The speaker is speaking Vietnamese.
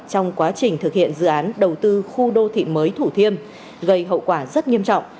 trong quá trình thực hiện dự án đầu tư khu đô thị mới thủ thiêm gây hậu quả rất nghiêm trọng